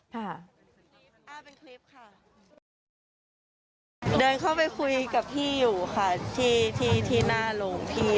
เดินเข้าไปคุยกับพี่อยู่ค่ะที่หน้าหลวงพี่